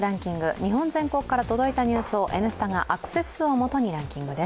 日本全国から届いたニュースを「Ｎスタ」がアクセス数をもとにランキングです。